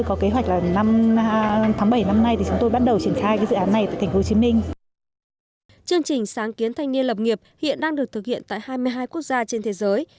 chương trình sáng kiến thanh niên lập nghiệp hiện đang được thực hiện tại hai mươi hai quốc gia trên thế giới